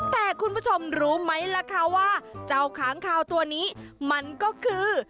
แต่คุณผู้ชมรู้ไหมล่ะคะว่าเจ้าค้างคาวตัวนี้มันก็คือ